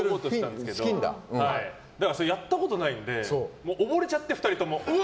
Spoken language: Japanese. それやったことないんで溺れちゃって、２人とも。